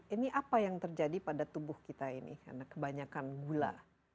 ini apa yang terjadi pada tubuh kita ini karena kebanyakan gula